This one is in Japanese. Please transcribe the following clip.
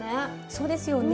そうですよね。